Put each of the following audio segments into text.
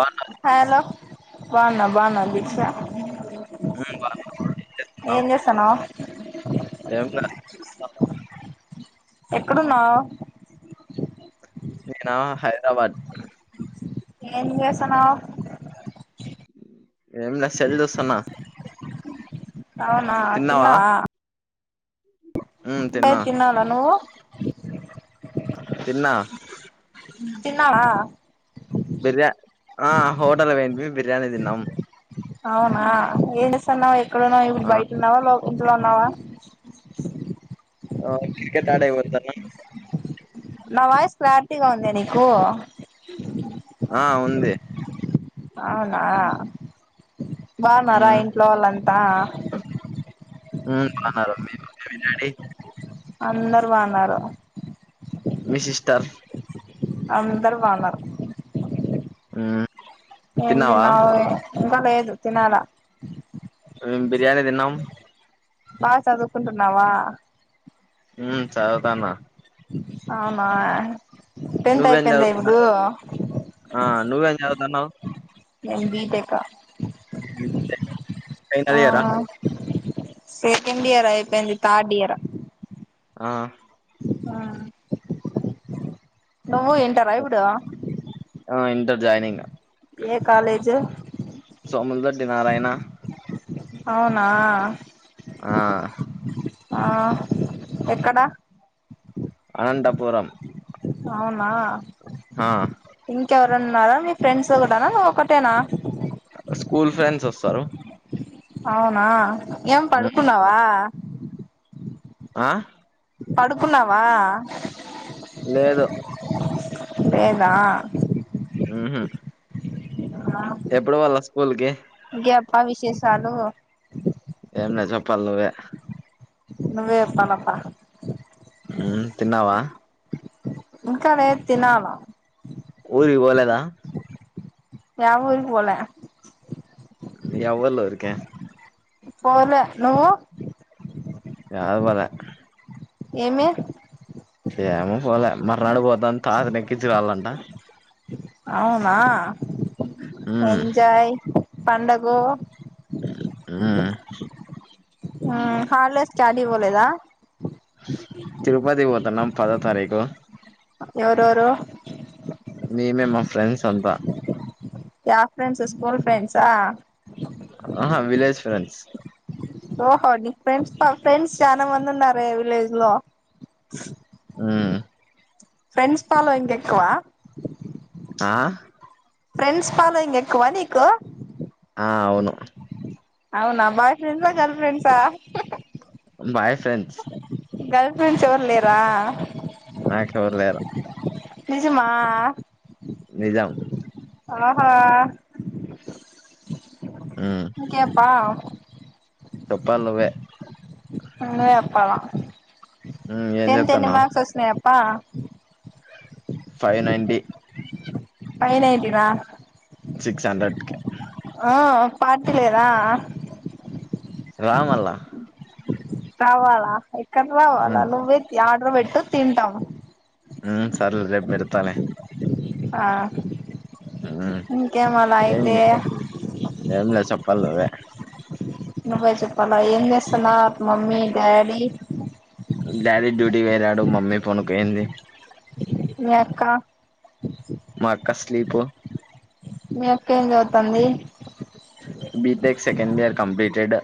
బాగా హలో బాగున్నా బాగున్నావ దీక్ష ఏం చేస్తున్నావు చేస్తానవ్ ఏం లే ఎక్కడున్నావ్ నినా హైదరాబాద్ ఎం చేస్తున్నావ్ ఏం లే సెల్ చూస్తున్న అవునా తిన్నావా ఉమ్, లే తిన్నా తినాలే నువ్వు తిన్నా తిన్నావా బిర్యా ఆ హోటల్ కు పోఇంటిమి బిర్యాణి తిన్నాం అవునా ఏం చేస్తున్నావ్ ఎక్కడున్నావ్ ఇప్పుడు ఆ, బయటున్నావా లో ఇంట్లో ఉన్నావా అ క్రికెట్ ఆడేక్ పోతనం నా వాయిస్ క్లారిటీగా ఉంది నీకు ఆ ఉంది అవునా బాగున్నారా ఉమ్, ఇంట్లో వాళ్ళంతా మ్ బాగున్నారండి మీ [unintelligible] అందరు బాగున్నారు మీ సిస్టార్ అందరు బాగున్నారు మ్ ఎం తిన్నావ్ ఇంకా లేదు తినలే ఉమ్, బిర్యానీ తిన్నాం బా చదువుకుంటున్నావా మ్ చదువుతానా అవునా టెన్త్ నువ్వేం అయిపోఇంది చదువు ఇప్పుడు ఆ, నువ్వేం చదువుతున్నావు ఏంది బిటేకా ఫైనల్ ఆ ఇయరా సెకండ్ ఇయర్ అయిపోయింది థర్డ్ ఇయర్ ఆ ఆ నువ్వు ఇంటార ఇప్పుడు ఇంటర్ జాయినింగ్ ఏ కాలేజ్ సోములు దొడ్డి నారాయణ అవునా ఆ ఆ ఎక్కడా అనంతపురం అవునా ఆ ఇ కేవరన్నా ఉన్నారా మీ ఫ్రెండ్స్ కూడానా నువ్ ఒకటేనా స్కూల్ ఫ్రెండ్స్ వస్తారు అవునా ఏం మ్మ్ పడుకున్నావా ఆ పడుకున్నావా లేదు లేదా మ్ హు ఎప్పుడు పోళ్ళ స్కూల్కి చదువు ఎం లే చెప్పాలే నువ్వే నువ్వే చెప్పులబ్బ మ్ తిన్నావా ఇంకా లెద్ తినాల ఊరికి పోలేదా యా ఊరుకి పోలే ఎవ్వలురికీ పోలే నువ్వు య పోలె ఏమి ఎమో పోలే మరనాడు పోతాని తాతని ఎక్కించు రావాళ్లంట అవునా మ్మ్ ఎంజాయ్ పండగో ఊ ఆ హాలిడేస్ కి యాడికి పోలేదా తిరుపతి పోతున్నాం పదో తారీఖు ఎవరోరు మేమే మా ఫ్రెండ్స్ అంతా యా ఫ్రెండ్స్ స్కూల్ ఫ్రెండ్సా ఆహా విలేజ్ ఫ్రెండ్స్ ఓహో నీకు ఫ్రెండ్స్ ఫ్రెండ్స్ చానా మంది ఉన్నారే విలేజ్ లో ఉ ఫ్రెండ్స్ ఫాలోయింగ్ ఎక్కువ ఆ ఫ్రెండ్స్ పాలో ఇంగ్ ఎక్కువ నీకు ఆ అవును అవునా బాయ్ ఫ్రెండ్సా గర్ల్ ఫ్రెండ్సా బాయ్ ఫ్రెండ్స్ గర్ల్ ఫ్రెండ్స్ ఎవరు లేరా నాకెవరు లేరు నిజమా నిజం ఆహా ఇంకేంప్పా చెప్పలి నువ్వే నువ్వే ఎప్పాల మ్మ్ ఏం టెన్త్ ఎన్ని చేత్తన్నావ్ మార్స్ వచ్చినాయి అప్ ప్పా ఫైవ్ నైంటీ ఫైవ్ నైన్టి నా సిక్స్ హండ్రెడ్ కి ఒ పార్టీ లేదా రా మల్ల రావాలా ఎక్కడ రావాలా ఉమ్ నువ్వే ఆర్డర్ పెట్టు తింటాము ఉ సర్లే రేప్ పెడతాలే ఆ ఉమ్ ఇంకేం మలైతే పల్ నువ్వే నువ్వే చెప్పాల ఏం చేస్తున్నార్ మమ్మీ డాడీ డాడీ డ్యూటీ పోయినాడు మమ్మీ పనుకోయింది మీ అక్క మా అక్క స్లీప్ మీ అక్క ఏం చదువుతాంది బిటెక్ సెకండ్ ఇయర్ కంప్లీటెడ్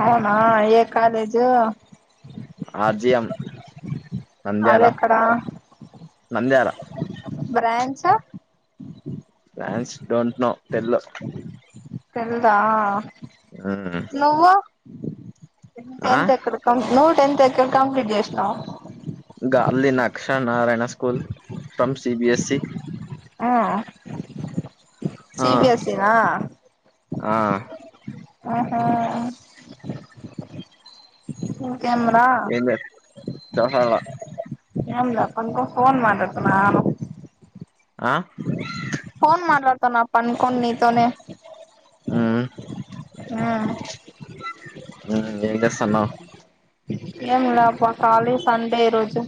అవునా ఏ కాలేజు ఆర్జిఎం నంద్యాల అదెక్కడ Nandyal branch branch don't know తెల్వదు తెల్దా నువ్వు మ్ టెన్త్ ఎక్కడ కం నువ్వు టెన్త్ ఎక్కడ కంప్లీట్ చేసినావు గలీ నక్క్ష నారాయణ స్కూల్ ఫ్రమ్ సిబిఎస్సి ఆ ఆ సిబిఎస్సీనా ఆ ఆహా కేం రా ఏం లే చెప్పాలా ఏంముంది అక్కో ఫోన్ మాట్లాడుతున్నాను ఆ ఫోన్ ఫోన్ మాట్లాడుతున్న పండుకొని నీతోనే ఉమ్ ఆ మ్ ఏం చేస్తన్నావ్ ఏంలే అబ్బ ఖాలీ సండే ఈరోజు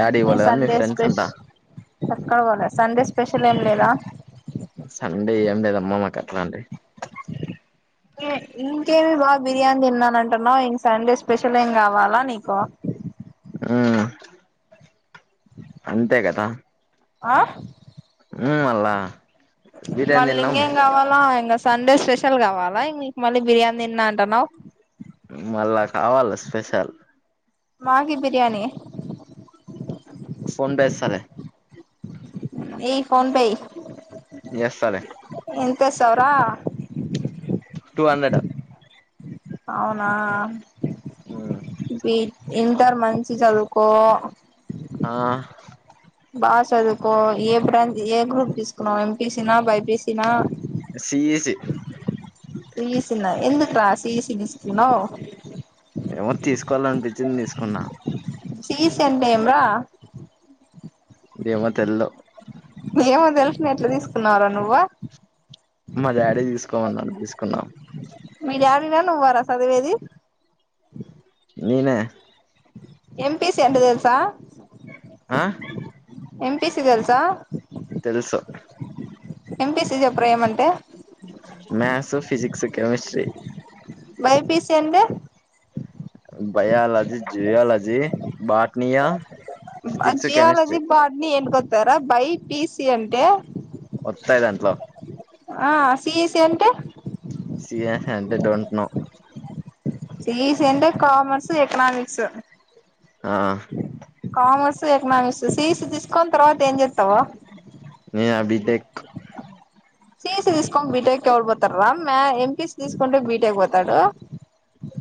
యాడికి న పోలేదా మీ సండే ఫ్రెండ్స్ స్పెష అంతా ఎక్కడ పోలే సండే స్పెషల్ ఏం లేదా సండే ఏం లేదమ్మా మాకు అట్లాటివి ఇంకేమి బాగా బిర్యానీ తిన్నాను అంటున్నావు ఇం సండే స్పెషల్ ఏం కావాలా నీకు మ్ అంతే కదా ఆ ఉమ్ మళ్ళా బిర్యానీ మళ్ళ తిన్నాం ఇంగెం కావాలా ఇంగ సండే స్పెషల్ కావాలా మీకు మళ్ళ బిర్యానీ తిన్నా అంటున్నవ్ మళ్ళా కావాల స్పెషల్ మాకీ బిర్యానీ ఫోన్ పె చేస్తాలే ఏయ్ ఫోన్ పే ఏయ్ ఎస్తాలే ఎంతెస్తావ్ రా టూ హండ్రెడ్ అవునా ఆ బి ఇంటర్ మంచి చదువుకో ఆ బాగా చదుకో ఏ బ్రాంచ్ ఏ గ్రూప్ తీసుకున్నావు ఎంపీసిన బైపిసిన సిఈసి సిఈసీ నా ఎందుకు రా సీఈసి తీసుకున్నావ్ ఏమో తీసుకోవాలనిపించింది తీసుకున్నా సీఈసీ అంటే ఏం రా ఏమో తెల్దు మేమో తెలిసిన ఎట్లా తీసుకున్నవు రా నువ్వు కున్న నేనా నువ్వు రా సదివేది నినే ఎంపిసి అంటే తెలుసా ఆ ఎంపిసి తెల్సా తెలుసు ఎంపిసి చేప్రా ఏ మం మ్యాథస్ ఫిజక్స్ కెమిస్ట్రిీ బైపీసి అంటే బయాలజీ జుయాలజీ బ జియాలజీ బార్డ్ని ఎనుకొస్తాది రా బై పి సిీ అంటే ఒత్తయి దాంట్లో ఆ సిఇసి అంటే సిఈ సి అంటే డోంట్ నో సీఇసి అంటే కమర్స్ ఎకనమిక్స్ ఆ కామర్సు ఎకనామిక్స్ సీఇసి తీసుకొని తర్వాత ఏం చేస్తావ్ నినా బి టే క్ సిఇసి తీస్కోని బిటెక్ ఎవల్ పోతర్ర ఎం పిసి తీస్కొని బిటెక్ పో తాడు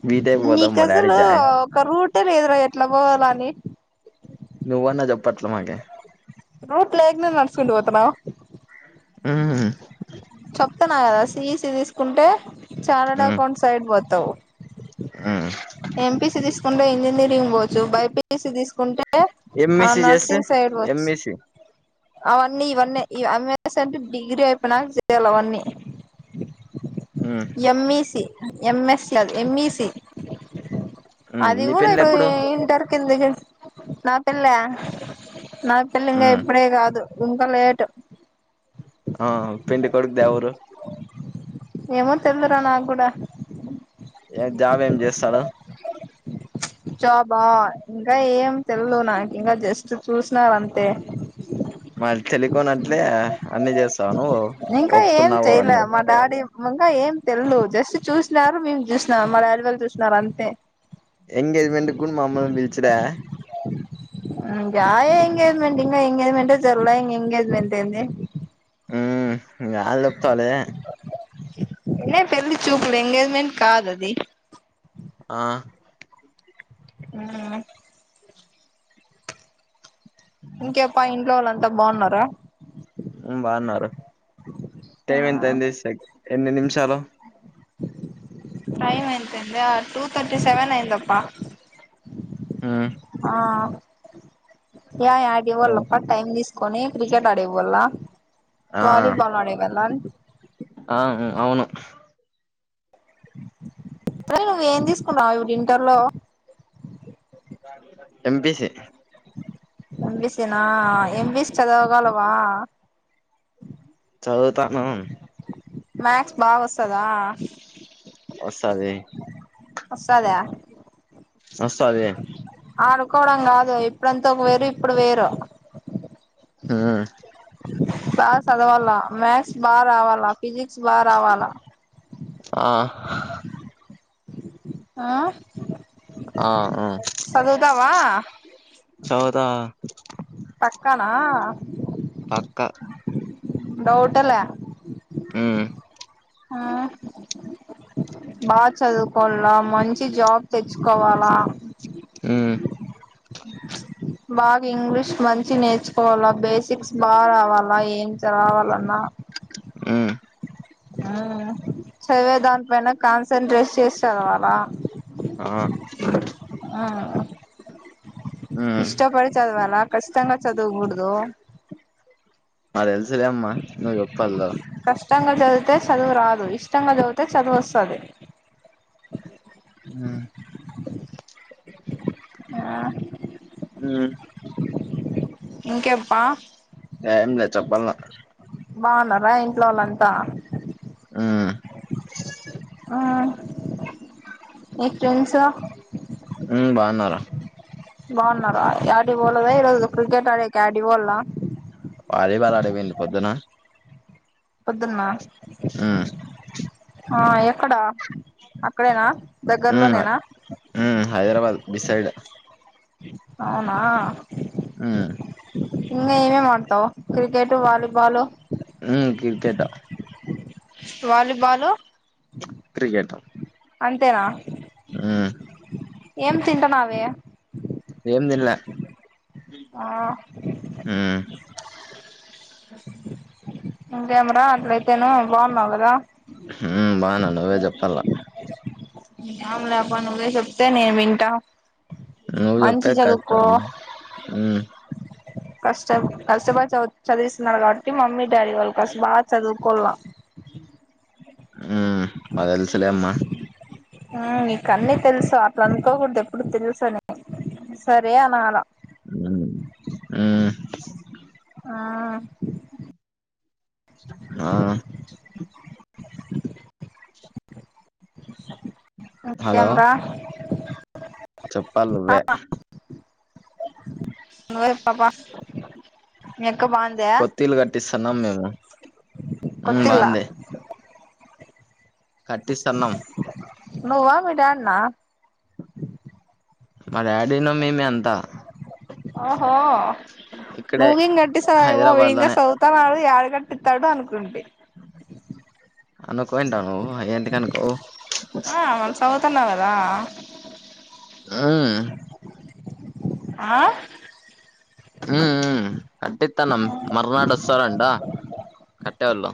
బీటెక్ పోదాం నీకు మా డాడీ అసలు జాయిన్ ఒక రూటే లేదురా ఎట్లా పోవాల అని నువ్వ న్న చేప్పట్లే మాగి రూట్ లేకనే నడుచుకుంటూ పోతున్నవ్ మ్ స్తున్న కదా సిఈసీ తీసుకుంటే చటెడ్ అకౌంట్ సైడ్ పోతావు మ్ ఎంపీసి తీసుకుంటే ఇంజనీరింగ్ పోవచ్చు బైపీసి తీసుకుంటే ఎంఈసి చేస్తే నర్సింగ్ సైడ్ పోవచ్ ఎంఈసి అవన్నీ ఇవన్నీ అమ్ అసోంటీయి డిగ్రీ అయిపోయినాక చేయాల అవన్నీ ఉమ్ ఎంఈసి ఎంఎస్ కదా ఎంఈసి ఉమ్ అది నీ కూడా పెండ్లి ర్ ఎప్పుడు ఇంటర్ కిందికి నా పెల్ల నా పెల్లింగా ఉమ్ ఇప్పుడే కాద్ దు ఇంకా లేట్ ఆ పిండి కొడుక్ దేవురు ఏమో తెల్దురా నాకు కూడా ఏ జాబ్ ఏం చేస్తాడు జాబ్ అ ఇంకా ఏం తెల్దు నాకు ఇంకా జస్ట్ చూసినారు అంతే మరి తెలికోనట్లే అన్నిీ చేస్తావ నువ్వు ఇంకా ఏం చేయలే ఒప్పుకున్నావన్నీ మా డాడీ ఇంకా ఏం తెల్దు జస్ట్ చూసినారు మేము చూసినాము మ డాడీ వాళ్లు చూసినరంతే ఎంగేజ్మెంట్ కూడా మమ్మల్ని పిలిచుడే గా ఎంగేజ్మెంట్ ఇంగ ఎంగేజ్మెంట్ే జర్లే ఇంగ ఎంగేజ్మెంట్ ఎంది మ్ గల్ చెప్తలే లే పెళ్లి చూపూలు ఎంగేజ్మెంట్ కాదది ఆ ఆ ఇంకేప్ప ఇంట్లో వాళ్ళు అంతా బాగున్నారా మ్ బాగున్నారు టైం ఎంత అఇంది ఎన్ని నిమిషాలు టైమ్ ఎంత అయింద టూ థర్టీ సెవెన్ అయిందబ్బ ఆ ఆ యా ఆడేవాళ్ళ పక్క టైమ్ తీసుకొని క్రికెట్ ఆడేకిపోళ్ళ ఆ ఆ అవును అరే నువ్ ఏం తీసుకున్నావు ఇంటర్ లో ఎంపిసి ఎంపిసినా ఎంపిసి చదవగలవా చదువుతాను మ్యాక్స్ బాగా వస్తందా వస్తది వస్తదా వస్తాది ఆడుకోవడం కాదు ఇప్పుడంతా ఒగ వేరు ఇప్పుడు వేరు ఉ బా సదవల్ల మ్యాథ్స్ బా రావల్ల ఫిజిక్స్ బా రావాలా ఆ ఉ ఆ ఉ వా చవుతా పక్కనా పక్క డౌటల ఉ ఆ బా చదువుకోల్ల మంచి జాబ్ తెచ్చుకోవాలా ఉమ్ బాగా ఇంగ్లీష్ మంచి నేర్చుకోవాలా బేసిక్స్ బా రావాలా ఏం చిగ రావాలన్నా ఉమ్ చదివేదాం పోయిన కాన్సన్ంట్రేట్ చేసి చదవాలా ఆ ఆ ఉమ్ ఇష్టపడి చదవాలా కష్టంగా చదువకూడదు మా తెల్సులెమ్మ నువ్ చెప్పల్ల కష్టంగా చదివితే చదువు రాదు ఇష్టంగా చదివితే చదువు వస్తది ఉ ఇంకేం పా ఏం లే చప్పల్ల బాగున్నారా ఇంట్లో వాళ్ళంతా ఉమ్ ఊ ఈ ఫ్రెండ్స్ ఉ బాగున్నారు బాగున్నారా యాటికి పోలేదా ఇరోజు క్రికెట్ ఆడేకి యాటికి పోల్ల వాలీబాల్ ఆడేకి పోయింటి పొద్దున పొద్దున్న ఉ ఆ ఎక్కడా అక్కడేనా ఉమ్ దగ్గరలోనేనా ఉమ్ హైదరాబాద్ బిసైడ్ అవునా ఉ ఇంగ ఏమేం ఆడతావ్ క్రికెట్ వాలీబాల్ ఉ క్రికెట్ వాలీబాలు క్రికెట్ అంతేనా ఆ ఏం తింటాన్నావే ఎంతిన్లే ఆ ఇంకెమెరా అట్లయితేను బాగున్నావు కదా హ్మ్ బాగున్నా నువ్వే చెప్పాల ఏం లేప్ప నువ్వు చెప్తే నేన్ వింటా నువ్వు మంచి చెప్పేది చదువుకో కష్టం ఉమ్ కష్టం కస్టపడి చ చదివిస్తునారకాబ్బటి మమ్మి డాడి వాళ్ళ కోసం బా చదువుకోల్లా ఉమ్ మాకు తెలుసులేమ్మా ఆ నీకన్నీ తెలుసు అ అనుకోకూడదు ఎప్పుడు తెలుసు అని సరే అనాలా ఆ హ్మ్ ఆ ఆ హలో ఇంకేంరా చెప్పాలి నువ్వే నువ్వే పాపా అ కొత్తల్లు కట్టిస్తాన్నాం మేము ఉమ్ కొత్తల్లా కట్టిస్తాణ్ణం నువ్వా మీ డాడ్నా మా డాడీనాో మేమే అంతా ఆఓహో ఇక్కడే నువ్వేం గట్టిస్తావ్ ఆయాబాబు హైదరాబాద్ ఇంక లోనే చదువుతారాదు ఏడ్ కట్టిత్తడు అనుకుంటి అనుకోఅంటావు ఎందుకనుకోవు ఆ మళ్న చదువుతున్నావ్ కదా ఆ ఆ హ్మ్ కట్టితనం మర్నాడు వస్తాడంట కట్టేవాళ్ళు